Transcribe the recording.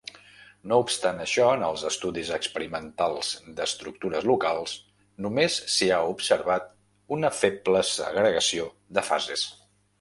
No obstant això, en els estudis experimentals d'estructures locals només s'hi ha observat una feble segregació de fases.